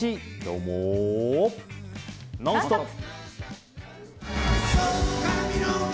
「ノンストップ！」。